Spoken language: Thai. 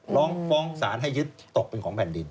ฟ้องฟ้องสารให้ยึดตกเป็นของแผ่นดิน